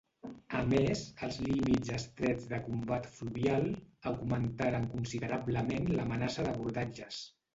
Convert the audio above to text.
A més, els límits estrets de combat fluvial augmentaren considerablement l'amenaça d'abordatges.